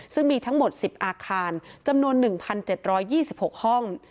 ซึ่งมีทั้งหมด๑๐อาคารจำนวน๑๗๒๖ห้อง